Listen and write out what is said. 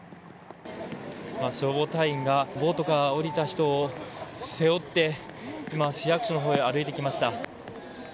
今、消防隊員がボートから降りた人を背負って、市役所のほうに歩いてきました。